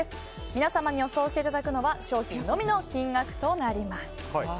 皆さんに予想していただくのは商品のみの金額です。